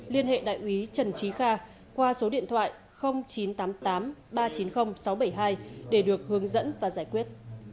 liên hệ đại úy trần trí kha qua số điện thoại chín trăm tám mươi tám ba trăm chín mươi sáu trăm bảy mươi hai để được hướng dẫn và giải quyết